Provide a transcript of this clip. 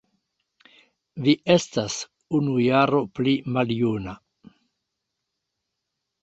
Vi estas unu jaro pli maljuna